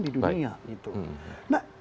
di dunia nah